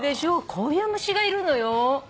こういう虫がいるのよ。